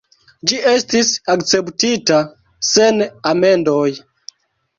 Ĝi estis akceptita sen amendoj.